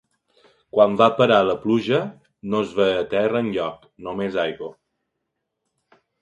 Quan va parar la pluja, no es veia terra enlloc, només aigua.